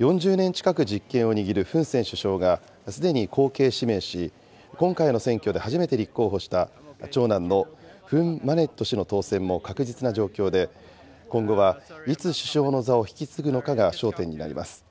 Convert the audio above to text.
４０年近く実権を握るフン・セン首相がすでに後継指名し、今回の選挙で初めて立候補した長男のフン・マネット氏の当選も確実な状況で、今後はいつ首相の座を引き継ぐのかが焦点になります。